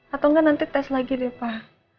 atau enggak nanti tes lagi deh pak